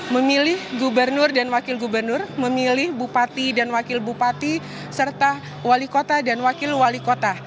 memilih gubernur dan wakil gubernur memilih bupati dan wakil bupati serta wali kota dan wakil wali kota